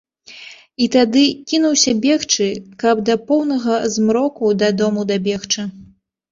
І тады кінуўся бегчы, каб да поўнага змроку да дому дабегчы.